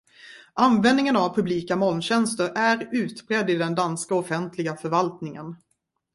Användningen av publika molntjänster är utbredd i den danska offentliga förvaltningen.